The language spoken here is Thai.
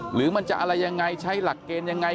หรือมันจะอะไรยังไงใช้หลักเกณฑ์ยังไง